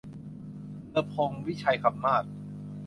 เลอพงศ์ วิชัยคำมาศ